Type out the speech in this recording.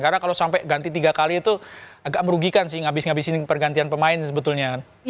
karena kalau sampai ganti tiga kali itu agak merugikan sih menghabiskan pergantian pemain sebetulnya